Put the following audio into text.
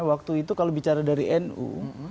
waktu itu kalau bicara dari nu